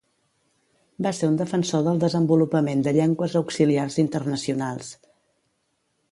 Va ser un defensor del desenvolupament de llengües auxiliars internacionals.